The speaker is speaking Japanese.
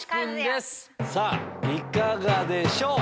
いかがでしょう？